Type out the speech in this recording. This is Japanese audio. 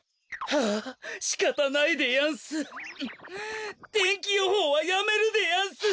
はあしかたないでやんす天気予報はやめるでやんす。